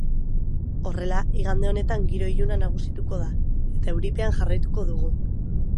Horrela, igande honetan giro iluna nagusituko da eta euripean jarraituko dugu.